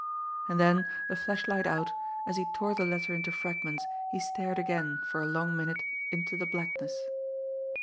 And then, the flashlight out, as he tore the letter into fragments, he stared again, for a long minute into the blackness.